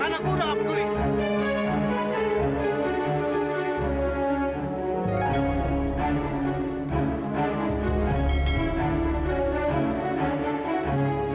anakku udah gak peduli